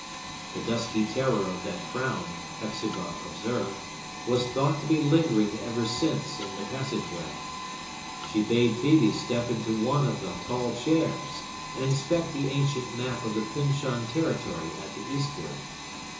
The dusky terror of that frown, Hepzibah observed, was thought to be lingering ever since in the passageway. She bade Phœbe step into one of the tall chairs, and inspect the ancient map of the Pyncheon territory at the eastward.